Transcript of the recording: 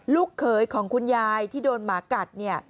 ลูกเขยของคุณยายที่โดนหมากัดเนี่ย